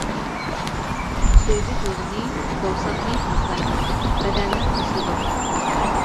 سۈيدۈك يولىنى، دوۋساقنى تازىلايدۇ، بەدەننى قىزىتىدۇ.